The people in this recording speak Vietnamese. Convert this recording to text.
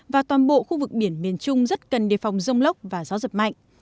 và toàn bộ khu vực biển miền trung rất cần đề phòng rông lốc và gió giật mạnh